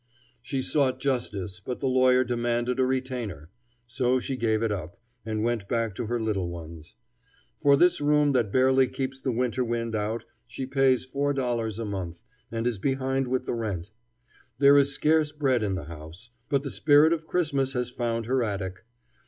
She sought justice, but the lawyer demanded a retainer; so she gave it up, and went back to her little ones. For this room that barely keeps the winter wind out she pays four dollars a month, and is behind with the rent. There is scarce bread in the house; but the spirit of Christmas has found her attic.